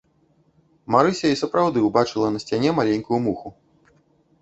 Марыся і сапраўды ўбачыла на сцяне маленькую муху.